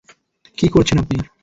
কী করেছেন আপনি?